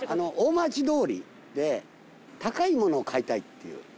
大町通りで高いものを買いたいっていう。